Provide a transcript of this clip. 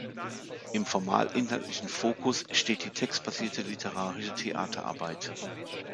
Im formal-inhaltlichen Fokus steht die textbasierte, literarische Theaterarbeit.